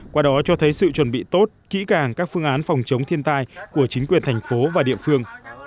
qua đó cho thấy sự chuẩn bị tốt kỹ càng các phương án phòng chống thiên tai của chính quyền thành phố và địa phương